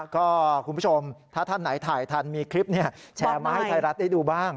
ก็คุณผู้ชมถ้าท่านไหนถ่ายทันมีคลิปแชร์มาให้ไทยรัฐได้ดูบ้าง